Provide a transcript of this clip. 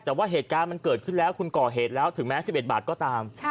แต่ว่าเหตุการณ์มันเกิดขึ้นแล้วคุณก่อเหตุแล้วถึงแม้๑๑บาทก็ตาม